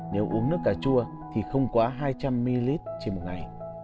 nếu uống nước cà chua thì không quá hai trăm linh ml trên một ngày